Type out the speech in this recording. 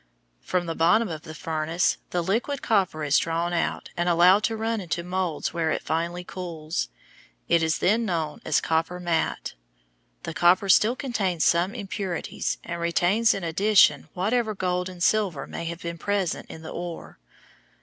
From the bottom of the furnace the liquid copper is drawn out and allowed to run into moulds where it finally cools. It is then known as copper matte. The copper still contains some impurities, and retains in addition whatever gold and silver may have been present in the ore.